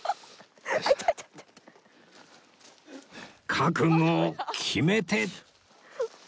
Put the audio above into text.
覚悟を決めて